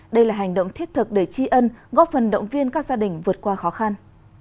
đây là hành động thiết thực để tri ân góp phần động viên các gia đình vượt qua khó khăn